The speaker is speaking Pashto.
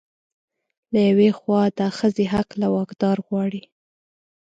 له يوې خوا د ښځې حق له واکدار غواړي